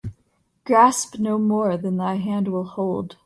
Grasp no more than thy hand will hold